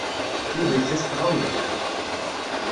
Yuba yečča s tɣawla